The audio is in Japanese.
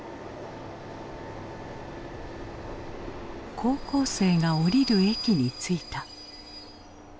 高校生が降りる駅に着いた。